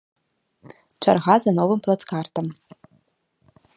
Чарга за новым плацкартам.